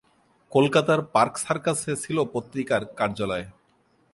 কলকাতার পার্ক সার্কাসে ছিল পত্রিকার কার্যালয়।